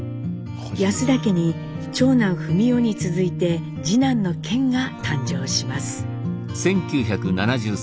安田家に長男史生に続いて次男の顕が誕生します。